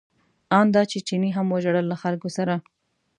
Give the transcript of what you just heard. ان دا چې چیني هم وژړل له خلکو سره.